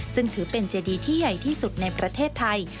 ซึ่งถือเป็นเจดีที่ใหญ่ที่สุดในประเทศไทย